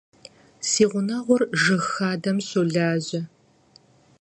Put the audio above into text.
Си гъунэгъур жыг хадэм щолажьэ.